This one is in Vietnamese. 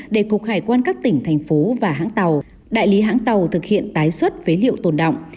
để cục hải quan các tỉnh thành phố và hãng tàu đại lý hãng tàu thực hiện tái xuất phế liệu tồn động